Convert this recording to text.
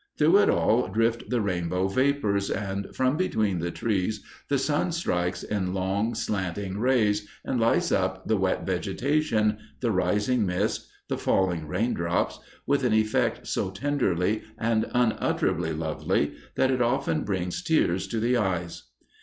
Through it all drift the rainbow vapors, and from between the trees the sun strikes in long, slanting rays, and lights up the wet vegetation, the rising mist, the falling raindrops, with an effect so tenderly and unutterably lovely that it often brings tears to the eyes.